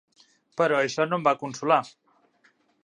Però això no em va consolar.